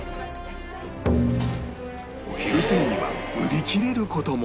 お昼過ぎには売り切れる事も